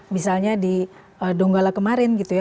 misalnya di donggala kemarin gitu ya